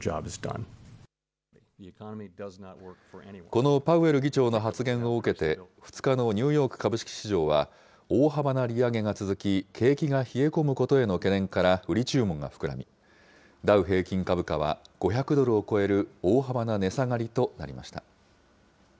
このパウエル議長の発言を受けて、２日のニューヨーク株式市場は、大幅な利上げが続き、景気が冷え込むことへの懸念から売り注文が膨らみ、ダウ平均株価は５００ドルを超える大幅な値下がりとなりました。